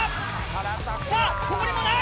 さぁここにもない！